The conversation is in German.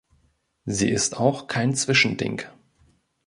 Sie ist auch kein Zwischending.